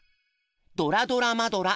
「ドラドラマドラ！